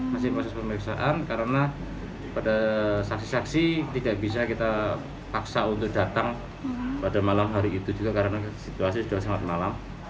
masih proses pemeriksaan karena pada saksi saksi tidak bisa kita paksa untuk datang pada malam hari itu juga karena situasi sudah sangat malam